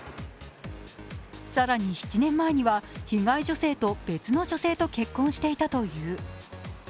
更に７年前には、被害女性と別の女性と結婚していたという。